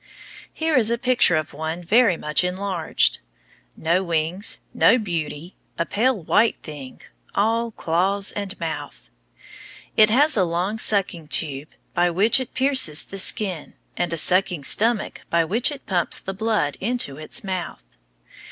Here is a picture of one very much enlarged. No wings, no beauty, a pale white thing, all claws and mouth. It has a long sucking tube by which it pierces the skin, and a sucking stomach by which it pumps the blood into its mouth.